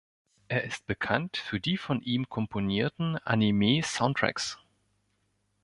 Er ist bekannt für die von ihm komponierten Anime-Soundtracks.